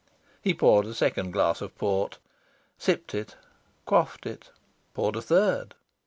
He poured a second glass of port, sipped it, quaffed it, poured a third.